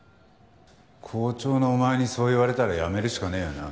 校長のお前にそう言われたら辞めるしかねえよな。